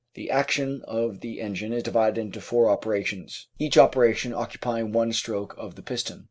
The action of the engine is divided into four operations, each operation occupying one stroke of the piston.